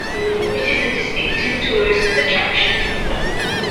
It is a distinctive tourist attraction.